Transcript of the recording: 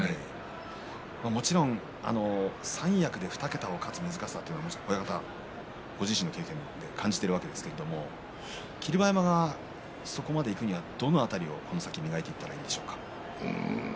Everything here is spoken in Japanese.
もちろん三役で２桁を勝つ難しさというのはご自身の経験でも感じているわけですが霧馬山がそこまでいくにはどの辺りをこの先磨いていけばいいですか。